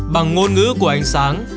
bằng ngôn ngữ của ánh sáng